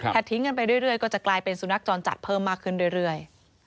ถ้าทิ้งกันไปเรื่อยก็จะกลายเป็นสุนัขจรจัดเพิ่มมากขึ้นเรื่อย